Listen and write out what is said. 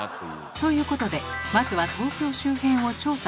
ということでまずは東京周辺を調査してみると。